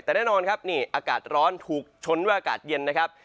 แต่แน่นอนครับนี่อากาศร้อนถูกชนด้วยอากาศเย็นนะครับ